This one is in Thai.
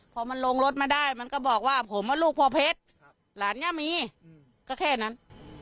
พอมันลงรถมาได้มันก็บอกว่าผมว่าลูกพ่อเพชรหลานเนี่ยมีก็แค่นั้น